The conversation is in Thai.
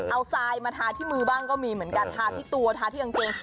เอาทรายมาทาที่มือบ้างก็มีเหมือนกันทาที่ตัวทาที่กางเกง